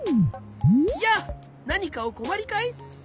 やあなにかおこまりかい？